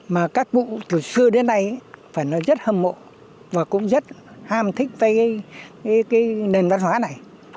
mà các cụ từ xưa đến nay phải nói rất hâm mộ và cũng rất ham thích với cái nền văn hóa này